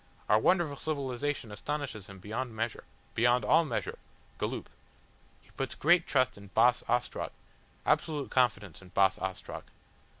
Our wonderful civilisation astonishes him beyond measure. Beyond all measure. Galloop. He puts great trust in Boss Ostrog, absolute confidence in Boss Ostrog.